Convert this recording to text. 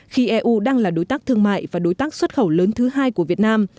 khi eu đang là đối tác thương mại và đối tác xuất khẩu lớn thứ hai của việt nam